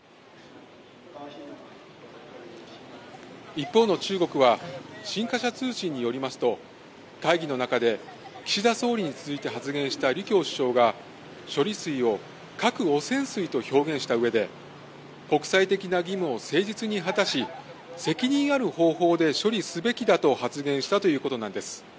一方の中国は新華社通信によりますと会議の中で岸田総理に続いて発言した李強首相が、処理水を核汚染水と表現したうえで国際的な義務を誠実に果たし責任ある方法で処理すべきだと発言したということです。